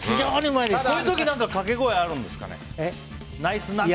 こういう時掛け声あるんですか？